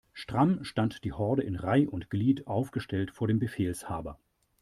Stramm stand die Horde in Reih' und Glied aufgestellt vor dem Befehlshaber.